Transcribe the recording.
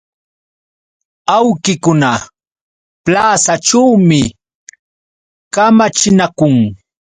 Awkikuna plasaćhuumi kamachinakun.